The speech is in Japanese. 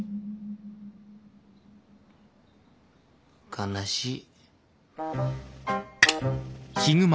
悲しい。